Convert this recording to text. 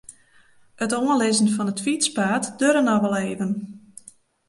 It oanlizzen fan it fytspaad duorre noch wol efkes.